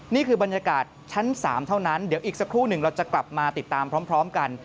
นี่คือบรรยากาศชั้น๓เท่านั้นเดี๋ยวอีกสักครู่หนึ่งเราจะกลับมาติดตามพร้อมกัน